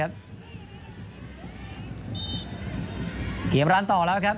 ส่วนที่สุดท้ายส่วนที่สุดท้าย